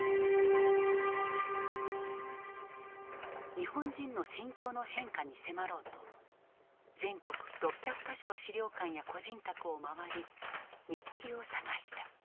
日本人の心境の変化に迫ろうと全国６００か所の資料館や個人宅を回り日記を探した。